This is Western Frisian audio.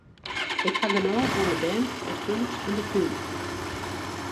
Ik haw genôch oan de bern, it hûs en de tún.